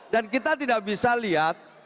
dan kita tidak bisa lihat